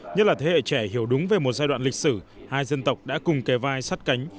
nhất là thế hệ trẻ hiểu đúng về một giai đoạn lịch sử hai dân tộc đã cùng kề vai sát cánh